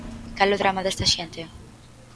Cal é o drama desta xente?